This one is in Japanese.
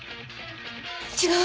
違う！